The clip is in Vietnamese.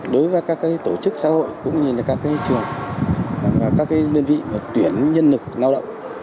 đối với các tổ chức xã hội cũng như các trường các nguyên vị tuyển nhân lực lao động